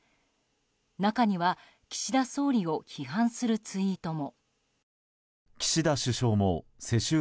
中には岸田総理を批判するツイートも。